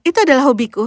itu adalah hobiku